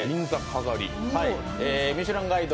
「ミシュランガイド」